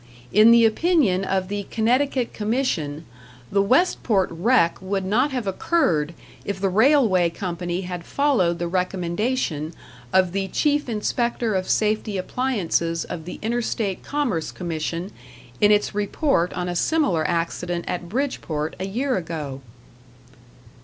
In the opinion of the Connecticut Commission, the Westport wreck would not have occurred if the railway company had followed the recommendation of the Chief Inspector of Safety Appliances of the Interstate Commerce Commission in its report on a similar accident at Bridgeport a year ago.